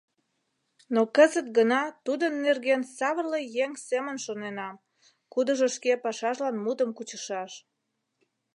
Но кызыт гына тудын нерген савырле еҥ семын шоненам, кудыжо шке пашажлан мутым кучышаш.